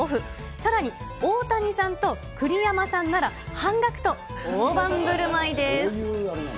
さらに、大谷さんと栗山さんなら半額と、大盤ぶるまいです。